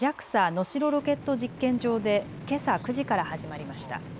能代ロケット実験場でけさ９時から始まりました。